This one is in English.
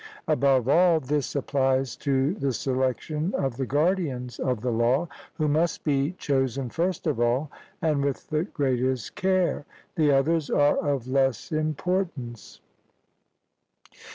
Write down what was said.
Above all, this applies to the selection of the guardians of the law, who must be chosen first of all, and with the greatest care; the others are of less importance.